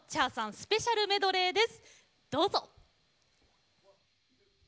スペシャルメドレーです。